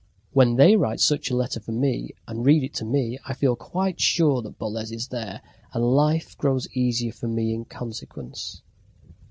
When they write such a letter for me, and read it to me, I feel quite sure that Boles is there. And life grows easier for me in consequence."